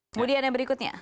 kemudian yang berikutnya